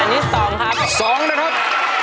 แผ่นที่๒ครับกลับมากลับมาก